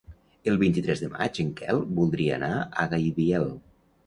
El vint-i-tres de maig en Quel voldria anar a Gaibiel.